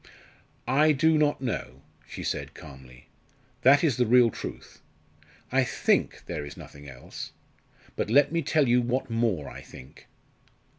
"I do not know," she said calmly; "that is the real truth. I think there is nothing else. But let me tell you what more I think."